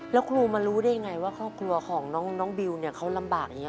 แล้วครูมารู้ได้ยังไงว่าครอบครัวของน้องบิวเขาลำบากอย่างนี้